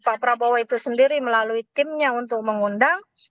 pak prabowo itu sendiri melalui timnya untuk mengundang